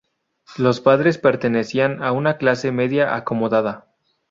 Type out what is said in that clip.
Los padres pertenecían a una clase media acomodada.